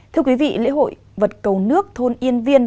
thưa quý vị lễ hội vật cầu nước thôn yên viên